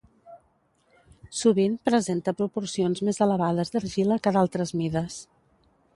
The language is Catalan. Sovint presenta proporcions més elevades d'argila que d'altres mides.